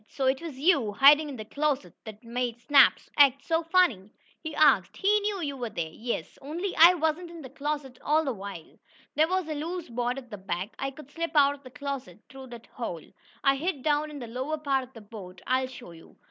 "So it was you, hiding in the closet that made Snap act so funny?" he asked. "He knew you were there." "Yes, only I wasn't in the closet all the while. There was a loose board at the back. I could slip out of the closet through that hole. I hid down in the lower part of the boat. I'll show you."